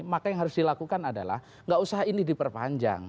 makanya yang harus dilakukan adalah tidak usah ini diperpanjang